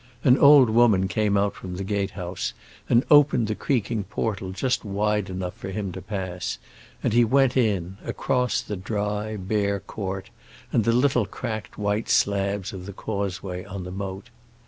An old woman came out from the gate house and opened the creaking portal just wide enough for him to pass, and he went in, across the dry, bare court and the little cracked white slabs of the causeway on the moat.